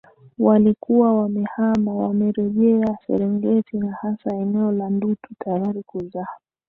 waliokuwa wamehama wamerejea Serengeti na hasa eneo la Ndutu tayari kuzaa